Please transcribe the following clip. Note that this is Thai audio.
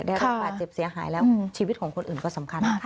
ได้รับบาดเจ็บเสียหายแล้วชีวิตของคนอื่นก็สำคัญนะคะ